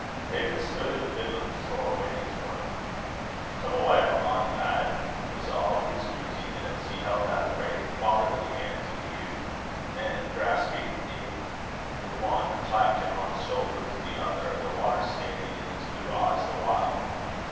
David stood in the middle of the floor, waiting for him. "Come awa', my bonny lad," was all his greeting, as he held out a great fatherly hand to the youth, and, grasping his in the one, clapped him on the shoulder with the other, the water standing in his blue eyes the while.